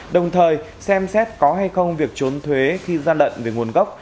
đồng thời xem xét có hay không việc trốn thuế khi gian lận về nguồn gốc